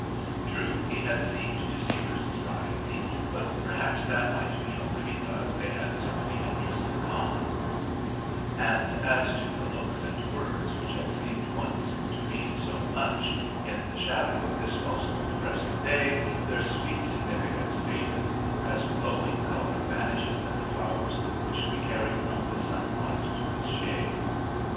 True, he bad seemed to seek her 10 146 A RAINY DAY. society, but perhaps that might be only because they had so many interests in common ; and as to the looks and the words which had seemed once to mean so much, in the shadow of this most depressing day their sweet significance faded, as glowing colour vanishes in the flowers which we carry from the sun light to the shade.